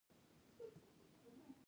په لاس کې یې یو اوږد ساسیج، یوه مرتبانه.